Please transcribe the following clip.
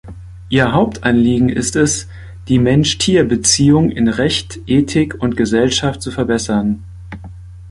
Ihr Hauptanliegen ist es, die Mensch-Tier-Beziehung in Recht, Ethik und Gesellschaft zu verbessern.